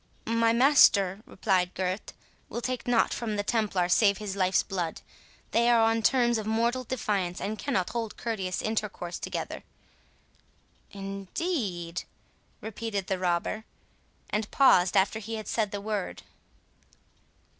"My master," replied Gurth, "will take nought from the Templar save his life's blood. They are on terms of mortal defiance, and cannot hold courteous intercourse together." "Indeed!"—repeated the robber, and paused after he had said the word.